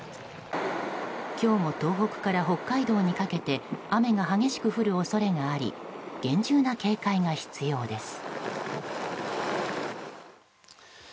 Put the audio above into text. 今日も東北から北海道にかけて雨が激しく降る恐れがあり厳重な警戒が必要です。